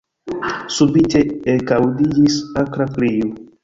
Subite ekaŭdiĝis akra krio.